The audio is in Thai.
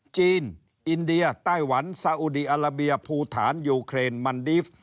จีนอินเดียไต้หวันซาอุดีอาราเบียภูฐานยูเครนมันดีฟ